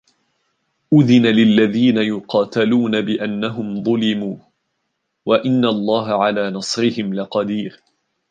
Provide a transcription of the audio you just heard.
أُذِنَ لِلَّذِينَ يُقَاتَلُونَ بِأَنَّهُمْ ظُلِمُوا وَإِنَّ اللَّهَ عَلَى نَصْرِهِمْ لَقَدِيرٌ